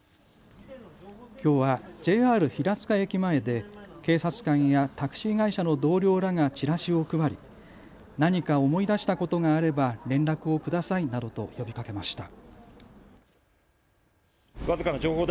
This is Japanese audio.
きょうはＪＲ平塚駅前で警察官やタクシー会社の同僚らがチラシを配り何か思い出したことがあれば連絡をくださいなどと呼びかけました。